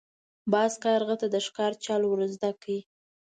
باز کارغه ته د ښکار چل ور زده کړ.